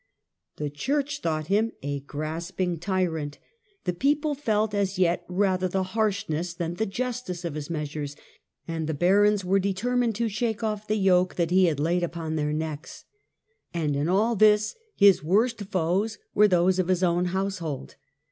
The church thought him a grasping tyrant. 30 REBELLION OF II73 74. the people felt as yet rather the harshness than the justice of his measures, and the barons were determined to shake off the yoke that he had laid upon their necks. And in all this his worst foes were those of his own household.